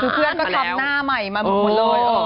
คือเพื่อนก็ทำหน้าใหม่มาหมดเลย